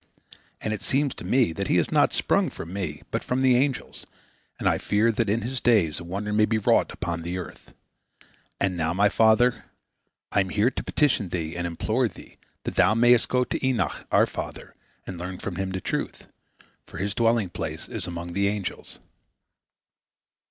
And it seems to me that he is not sprung from me, but from the angels, and I fear that in his days a wonder may be wrought on the earth. And now, my father, I am here to petition thee and implore thee, that thou mayest go to Enoch, our father, and learn from him the truth, for his dwelling place is among the angels."